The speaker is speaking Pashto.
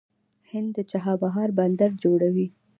هند د چابهار بندر جوړوي.